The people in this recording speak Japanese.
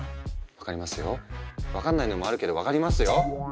分かりますよ分かんないのもあるけど分かりますよ。